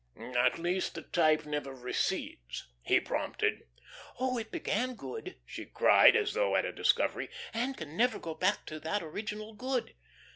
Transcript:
"At least the type never recedes," he prompted. "Oh, it began good," she cried, as though at a discovery, "and can never go back of that original good.